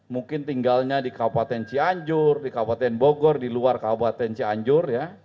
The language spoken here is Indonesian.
mungkin tinggalnya di kabupaten cianjur di kabupaten bogor di luar kabupaten cianjur ya